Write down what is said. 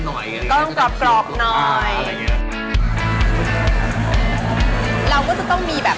สุกไม่เท่าการระยะเวลา